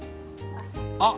あっ